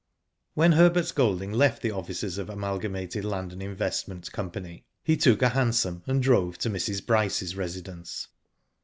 When Herbert Golding left the offices of the Amalgamated Land and Investment . Company he took a hansom and drove to Mrs. Bryce's resi dence.